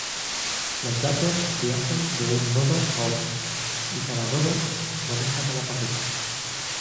Los datos viajan de un nodo a otro, y cada nodo maneja cada paquete.